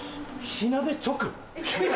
火鍋直？